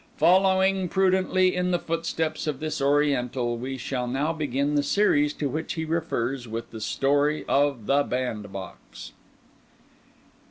Following prudently in the footsteps of this Oriental, we shall now begin the series to which he refers with the Story of the Bandbox.)